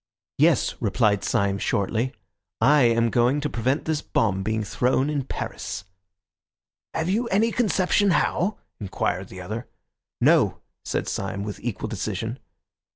"Yes," replied Syme shortly, "I am going to prevent this bomb being thrown in Paris." "Have you any conception how?" inquired the other. "No," said Syme with equal decision.